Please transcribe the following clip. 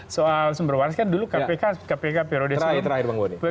soal cumberwaras kan dulu kpk kpk periode sebelumnya